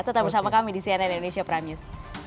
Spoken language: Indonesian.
tetap bersama kami di cnn indonesia prime news